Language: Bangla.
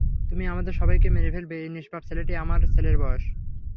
তুমি আমাদের সবাইকে মেরে ফেলবে - এই নিষ্পাপ ছেলেটি আমার ছেলের বয়স।